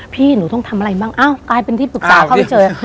พี่หนูต้องทำอะไรบ้างอ้าวกลายเป็นที่ปรึกษาเข้าไปเจอ